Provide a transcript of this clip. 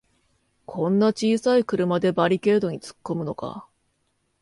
こんな小さい車でバリケードにつっこむのか